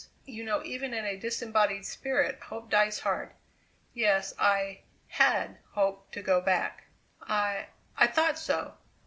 You know even in a disembodied spirit hope dies hard. Yes I had hoped to go back." "I I thought so."